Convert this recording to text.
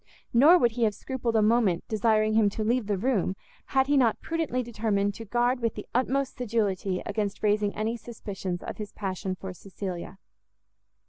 Nor would he have scrupled a moment desiring him to leave the room, had he not prudently determined to guard with the utmost sedulity against raising any suspicions of his passion for Cecilia.